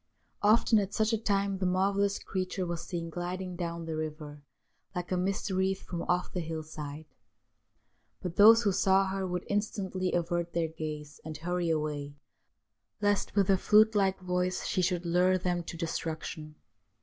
Often at such a time the mar vellous creature was seen gliding down the river like a mist wreath from off the hill side. But those who saw her would instantly avert their gaze and hurry away, lest, with her flute like voice, she should lure them to destruction.